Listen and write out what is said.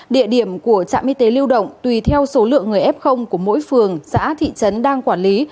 địa điểm của trạm y tế lưu động tùy theo số lượng người f của mỗi phường xã thị trấn đang quản lý